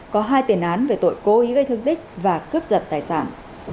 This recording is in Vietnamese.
có hai tiền án về tội cố ý gây thương tích và cướp giật tài sản